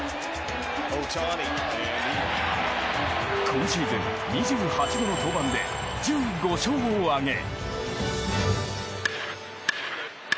今シーズン、２８度の登板で１５勝を挙げ。